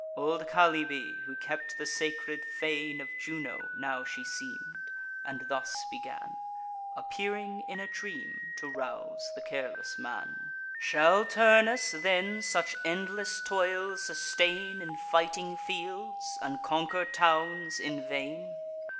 Old Chalybe, who kept the sacred fane Of Juno, now she seem'd, and thus began, Appearing in a dream, to rouse the careless man: "Shall Turnus then such endless toil sustain In fighting fields, and conquer towns in vain?